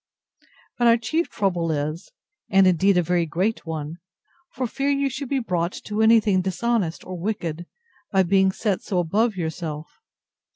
But our chief trouble is, and indeed a very great one, for fear you should be brought to anything dishonest or wicked, by being set so above yourself.